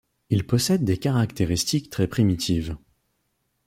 Il possède des caractéristiques très primitives.